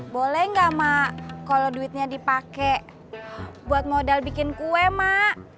boleh nggak mak kalau duitnya dipakai buat modal bikin kue mak